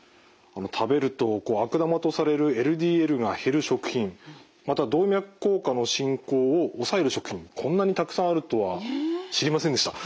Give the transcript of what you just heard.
食べると悪玉とされるＬＤＬが減る食品また動脈硬化の進行を抑える食品こんなにたくさんあるとは知りませんでした。